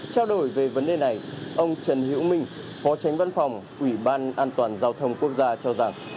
trao đổi về vấn đề này ông trần hiễu minh phó tránh văn phòng ủy ban an toàn giao thông quốc gia cho rằng